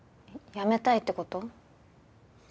辞めたいってこと？